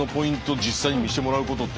実際に見せてもらうことって。